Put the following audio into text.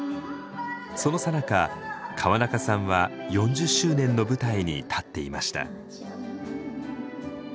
そのさなか川中さんは４０周年の舞台に立っていました。